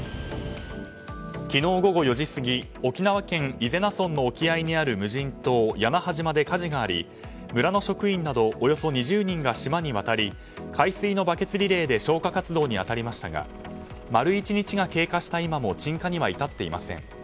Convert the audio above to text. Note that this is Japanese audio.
昨日午後４時過ぎ沖縄県伊是名村の沖合にある無人島屋那覇島で火事があり村の職員など、およそ２０人が島に渡り、海水のバケツリレーで消火活動に当たりましたが丸１日が経過した今も鎮火には至っていません。